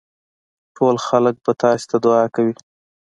ټول خلک به تاسي ته دعا کوي.